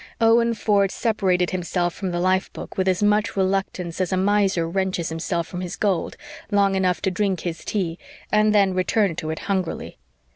Owen Ford separated himself from the life book, with as much reluctance as a miser wrenches himself from his gold, long enough to drink his tea, and then returned to it hungrily.